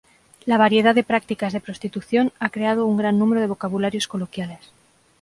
La variedad de prácticas de prostitución ha creado un gran número de vocabularios coloquiales.